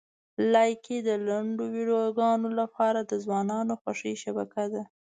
لایکي د لنډو ویډیوګانو لپاره د ځوانانو خوښې شبکه ده.